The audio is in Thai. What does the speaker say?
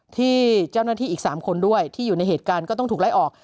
ที่เจ้าหน้าที่อีก๓คนด้วยที่อยู่ในเหตุการณ์ก็ต้องถูกไล่ออก